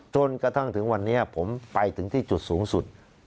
จนกระทั่งถึงวันนี้ผมไปถึงที่จุดสูงสุด